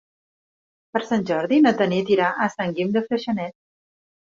Per Sant Jordi na Tanit irà a Sant Guim de Freixenet.